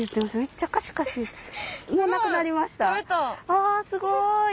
あすごい。